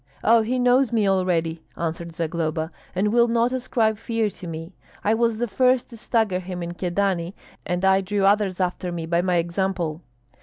"Oh, he knows me already," answered Zagloba, "and will not ascribe fear to me. I was the first to stagger him in Kyedani; and I drew others after me by my example."